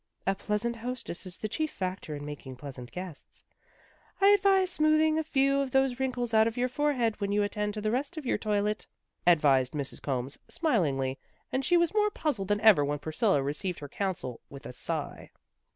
" A pleasant hostess is the chief factor in making pleasant guests. I advise smoothing a few of those wrinkles out of your forehead when you attend to the rest of your toilet," advised Mrs. Combs, smilingly, and she was more puzzled than ever when Priscilla received her counsel with a sigh.